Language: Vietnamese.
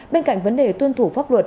bên cạnh vấn đề tuân thủ pháp luật